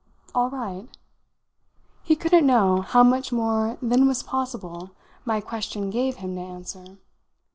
"All right?" He couldn't know how much more than was possible my question gave him to answer.